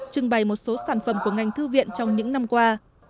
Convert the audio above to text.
trưng bày một số sản phẩm của ngành thư viện trong những năm qua